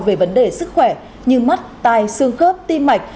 về vấn đề sức khỏe như mắt tai xương khớp tim mạch